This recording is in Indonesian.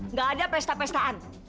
nggak ada pesta pestaan